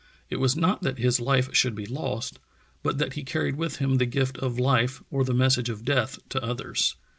It was not that his life should be lost, but that he carried with him the gift of life or the message of death to others.